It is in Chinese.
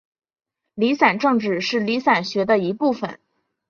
离散政治是离散学的一部份。